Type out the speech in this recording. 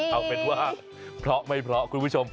เอาเป็นว่าเพราะไม่เพราะคุณผู้ชม